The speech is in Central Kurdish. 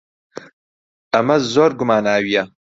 ئەمە زۆر گوماناوییە.